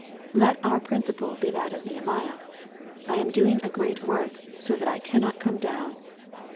Let our principle be that of Nehemiah, ^^ I am doing a great work, so that I cannot come down."